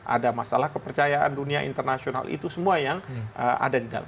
ada masalah kepercayaan dunia internasional itu semua yang ada di dalam